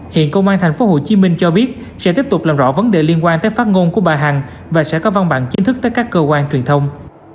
hiện công an tp hcm cho biết sẽ tiếp tục làm rõ vấn đề liên quan tới phát ngôn của bà hằng và sẽ có văn bản chính thức tới các cơ quan truyền thông